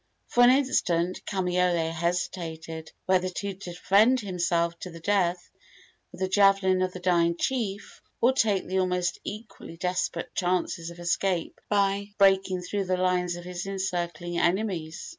For an instant Kamaiole hesitated whether to defend himself to the death with the javelin of the dying chief, or take the almost equally desperate chances of escape by breaking through the lines of his encircling enemies.